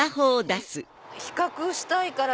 比較したいから。